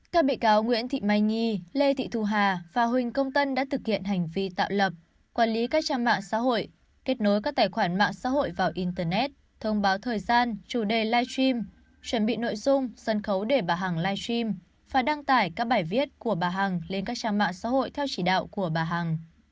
các bị cáo nguyễn thị mai nhi lê thị thu hà và huỳnh công tân đã thực hiện hành vi tạo lập quản lý các trang mạng xã hội kết nối các tài khoản mạng xã hội vào internet thông báo thời gian chủ đề live stream chuẩn bị nội dung sân khấu để bà hằng live stream và đăng tải các bài viết của bà hằng lên các trang mạng xã hội theo chỉ đạo của bà hằng